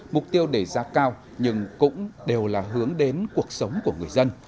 mục tiêu đề ra cao nhưng cũng đều là hướng đến cuộc sống của người dân